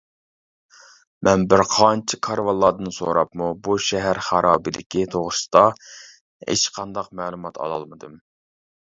مەن بىر قانچە كارۋانلاردىن سوراپمۇ بۇ شەھەر خارابىلىكى توغرىسىدا ھېچ قانداق مەلۇمات ئالالمىدىم.